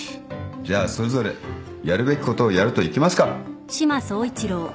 じゃあそれぞれやるべきことをやるといきますか。